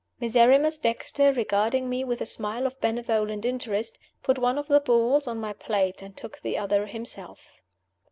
Miserrimus Dexter, regarding me with a smile of benevolent interest, put one of the balls on my plate, and took the other himself.